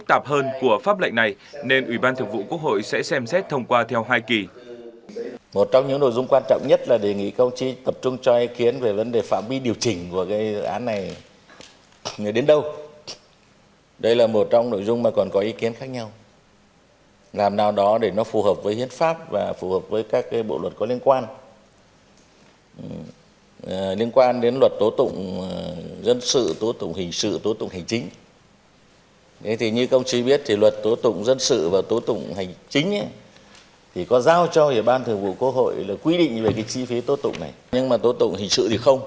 tại phiên họp này ủy ban thường vụ quốc hội sẽ tổng kết kỳ họp thứ tám cho ý kiến vào việc chuẩn bị kỳ họp thứ bảy